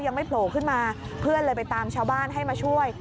ยังไม่โผล่ขึ้นมาเพื่อนเลยไปตามชาวบ้านให้มาช่วย